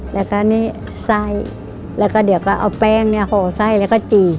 แล้วก็นี่ไส้แล้วก็เดี๋ยวก็เอาแป้งเนี่ยห่อไส้แล้วก็จีบ